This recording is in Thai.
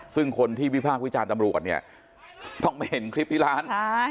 ซึ่งคนที่วิพากษ์วิจารณ์ตำรวจเนี่ยต้องไม่เห็นคลิปที่ร้าน